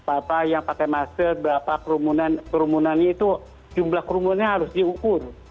berapa yang pakai masker berapa kerumunannya itu jumlah kerumunannya harus diukur